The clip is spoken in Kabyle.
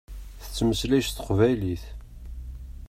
Tettmeslay s teqbaylit.